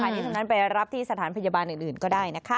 อันนี้ทั้งนั้นไปรับที่สถานพยาบาลอื่นก็ได้นะคะ